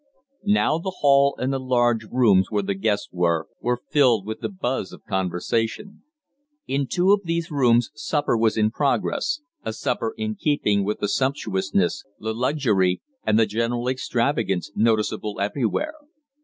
Now the hall and the large rooms where the guests were, were filled with the buzz of conversation. In two of these rooms supper was in progress, a supper in keeping with the sumptuousness, the luxury and the general extravagance noticeable everywhere.